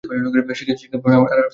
শিক্ষা বা আর সব কিছু অতি তুচ্ছ।